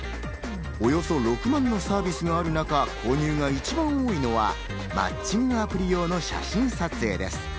およそ６万のサービスがある中、購入が一番多いのがマッチングアプリ用の写真撮影です。